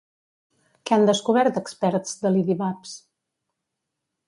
Què han descobert experts de l'Idibaps?